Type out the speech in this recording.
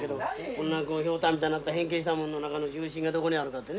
こんなひょうたんみたいになった変形したものの中の重心がどこにあるかってね。